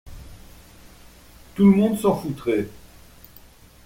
tout le monde s’en foutrait…